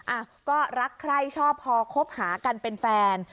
อ่ะก็รักใครชอบพอคบหากันเป็นแฟน